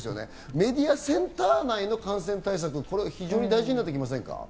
メディアセンター内の感染対策、非常に大事になりませんか？